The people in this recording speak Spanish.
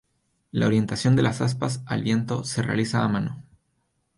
La orientación de las aspas al viento se realiza a mano.